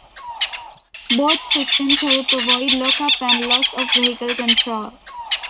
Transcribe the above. Both systems help avoid lock-up and loss of vehicle control.